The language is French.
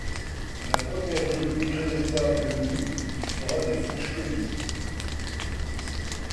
De la première rue Greneta venue, il fera des fourches caudines.